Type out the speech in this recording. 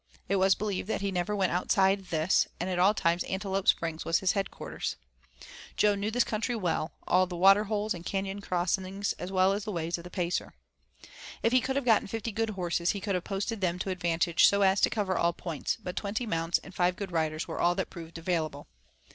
It was believed that he never went outside this, and at all times Antelope Springs was his headquarters. Jo knew this country well, all the water holes and canon crossings as well as the ways of the Pacer. If he could have gotten fifty good horses he could have posted them to advantage so as to cover all points, but twenty mounts and five good riders were all that proved available.